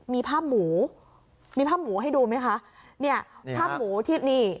มีภาพหมูมีภาพหมูให้ดูไหมคะเนี่ยภาพหมูที่นี่